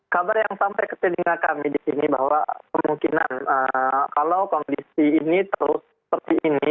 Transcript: saya ketinggalan kami di sini bahwa kemungkinan kalau kondisi ini terus seperti ini